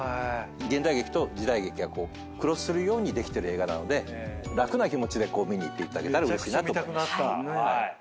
現代劇と時代劇がクロスするようにできてる映画なので楽な気持ちで見に行っていただけたらうれしいなと思います。